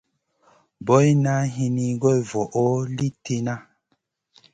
Boyna hini goy voʼo li tihna.